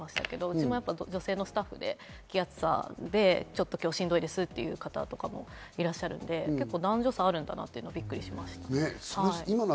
うちも女性スタッフで気圧差でしんどいですという方とかもいらっしゃるので、男女差あるんだなというのがびっくりしました。